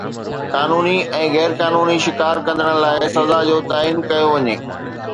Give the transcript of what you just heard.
قانوني ۽ غير قانوني شڪار ڪندڙن لاءِ سزا جو تعين ڪيو وڃي